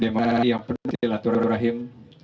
demokrasi yang penuh silaturahim